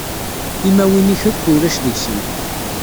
Timawin-ik akk ulac deg-sent.